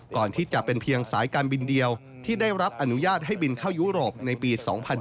ก่อนที่จะเป็นเพียงสายการบินเดียวที่ได้รับอนุญาตให้บินเข้ายุโรปในปี๒๐๑๙